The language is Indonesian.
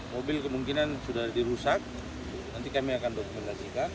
mobil kemungkinan sudah dirusak nanti kami akan dokumentasikan